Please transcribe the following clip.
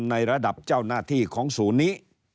ในระดับเจ้าหน้าที่ของศูนย์นี้